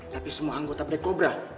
tapi semua anggota breakobra